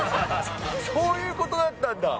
そういうことだったんだ。